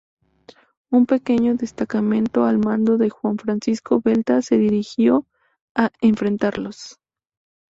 Un pequeño destacamento al mando de Juan Francisco Balta se dirigió a enfrentarlos.